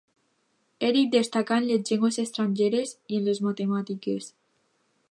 Eric destacà en les llengües estrangeres i en les matemàtiques.